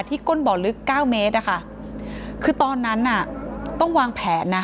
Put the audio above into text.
ก้นบ่อลึกเก้าเมตรอะค่ะคือตอนนั้นน่ะต้องวางแผนนะ